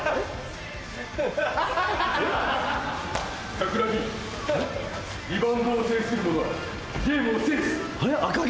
桜木リバウンドを制する者はゲームを制す！